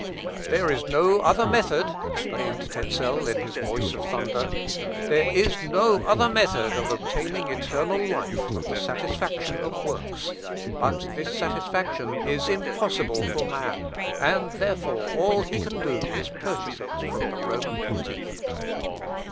"There is no other method," exclaimed Tezel in his voice of thunder; "there is no other method of obtaining eternal life than the satisfaction of works; but this satisfaction is impossible for man, and, therefore, all he can do is to purchase it from the Roman pontiff."